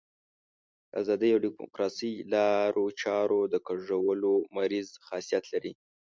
د ازادۍ او ډیموکراسۍ لارو چارو د کږولو مریض خاصیت لري.